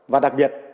và đặc biệt